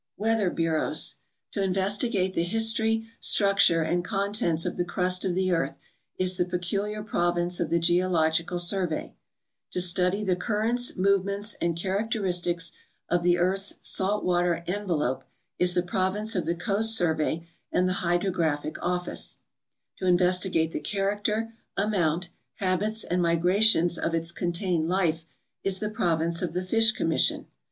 Weather Bureau. — To investigate the history, structure, and contents of the crust of the earth is the peculiar province of the Geological Survey ; to study the currents, movements, and char acteristics of the earth's salt water envelope is the province of the Coast Survey and the Hydrographic Office; to investigate the character, amount, habits, and migrations of its contained life is the province of the Fish Commission.